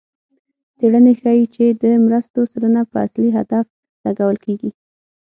څېړنې ښيي چې د مرستو سلنه په اصلي هدف لګول کېږي.